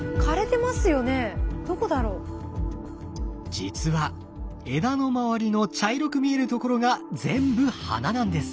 実は枝の周りの茶色く見えるところが全部花なんです。